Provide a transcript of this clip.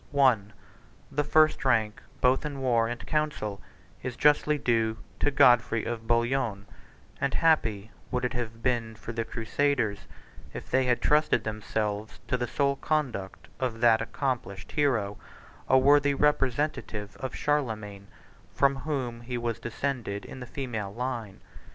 I. The first rank both in war and council is justly due to Godfrey of Bouillon; and happy would it have been for the crusaders, if they had trusted themselves to the sole conduct of that accomplished hero, a worthy representative of Charlemagne, from whom he was descended in the female line.